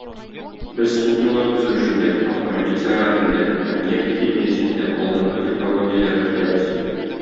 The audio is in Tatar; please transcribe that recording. Без суднолар төзелешендә, автомобиль сәнәгатендә һәм нефть химиясендә алдынгы технологияләр кертәбез.